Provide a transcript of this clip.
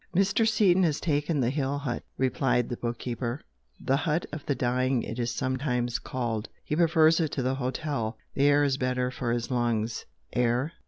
"Mr. Seaton has taken the hill hut" replied the book keeper "'The hut of the dying' it is sometimes called. He prefers it to the hotel. The air is better for his lungs." "Air?